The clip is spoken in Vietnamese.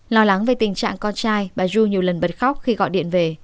lo lắng về tình trạng con trai bà du nhiều lần bật khóc khi gọi điện về